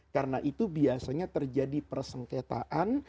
karena itu biasanya terjadi persengketaan